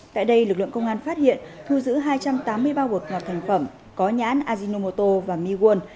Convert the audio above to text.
tại đây lực lượng công an phát hiện thu giữ hai trăm tám mươi ba bột ngọt thành phẩm có nhãn ajinomoto và miwon